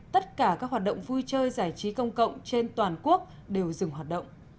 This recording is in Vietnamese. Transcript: tất cả các hoạt động vui chơi giải trí công cộng trên toàn quốc đều dừng hoạt động